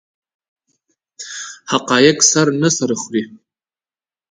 حقایق سر نه سره خوري.